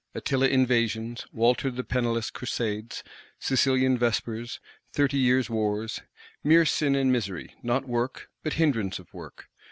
Attila Invasions, Walter the Penniless Crusades, Sicilian Vespers, Thirty Years Wars: mere sin and misery; not work, but hindrance of work!